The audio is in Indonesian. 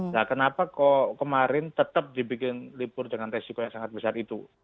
nah kenapa kok kemarin tetap dibikin libur dengan resiko yang sangat besar itu